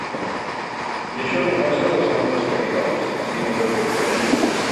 I això no passa a les altres capitals, sinó que sorprèn.